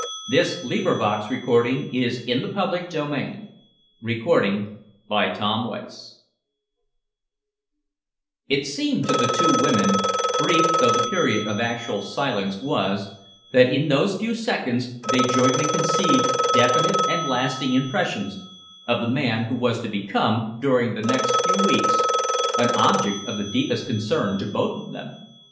The newcomer advanced a few steps nearer to them. CHAPTER III It seemed to the two women, brief though the period of actual silence was, that in those few seconds they jointly conceived definite and lasting impressions of the man who was to become, during the next few weeks, an object of the deepest concern to both of them.